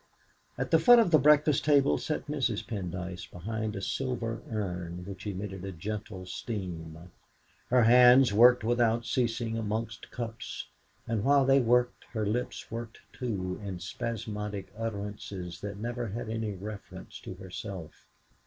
At the foot of the breakfast table sat Mrs. Pendyce behind a silver urn which emitted a gentle steam. Her hands worked without ceasing amongst cups, and while they worked her lips worked too in spasmodic utterances that never had any reference to herself.